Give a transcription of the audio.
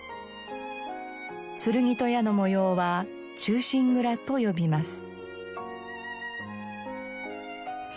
剣と矢の模様は忠臣蔵と呼びます。